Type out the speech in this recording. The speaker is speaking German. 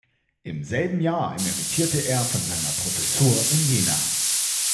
Im selben Jahr emeritierte er von seiner Professur in Jena.